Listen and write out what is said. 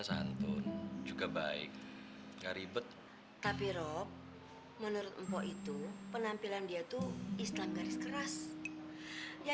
pesan pun juga baik ga ribet tapi rob menurut empok itu penampilan dia tuh islam garis keras ya